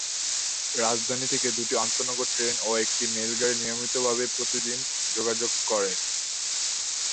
রাজধানী থেকে দুটি আন্তঃনগর ট্রেন ও একটি মেইল গাড়ি নিয়মিত ভাবে প্রতিদিন যোগাযোগ করে।